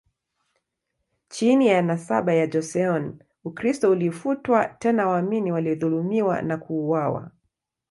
Chini ya nasaba ya Joseon, Ukristo ulifutwa, tena waamini walidhulumiwa na kuuawa.